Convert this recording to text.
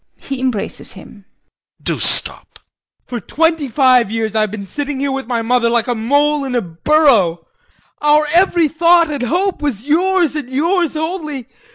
[He embraces him] Do stop! VOITSKI. For twenty five years I have been sitting here with my mother like a mole in a burrow. Our every thought and hope was yours and yours only.